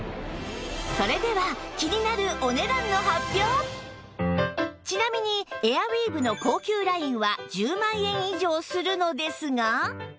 それでは気になるちなみにエアウィーヴの高級ラインは１０万円以上するのですが